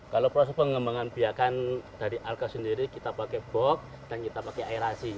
kalau proses pengembangan biakan dari alga sendiri kita pakai bog dan kita pakai aerasi